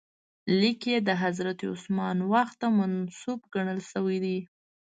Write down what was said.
لیک یې د حضرت عثمان وخت ته منسوب ګڼل شوی دی.